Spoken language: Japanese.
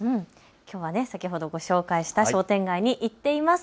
きょうは先ほどご紹介した商店街に行っています。